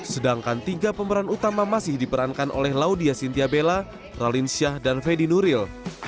sedangkan tiga pemeran utama masih diperankan oleh laudia sintiabela ralinsyah dan fedy nuril